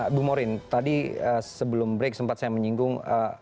ibu morin tadi sebelum break sempat saya menyinggung